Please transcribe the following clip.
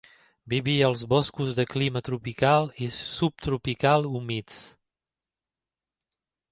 Vivia als boscos de clima tropical i subtropical humits.